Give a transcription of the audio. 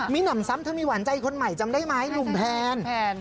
มีหนำซ้ำเธอมีหวานใจคนใหม่จำได้ไหมหนุ่มแทน